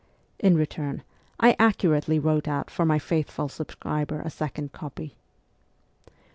In return, I accurately wrote out for my faithful subscriber a second copy.